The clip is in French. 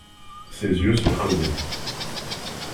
Ses yeux se creusaient.